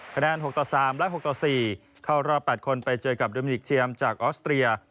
คะแนน๖ต่อ๓และ๖ต่อ๔เข้ารอบ๘คนไปเจอกับโดมิกเจียมจากออสเตรีย